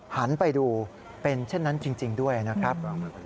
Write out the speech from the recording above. หันไปดูเป็นเช่นนั้นจริงด้วยนะครับ